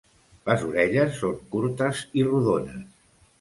Les orelles són curtes i rodones.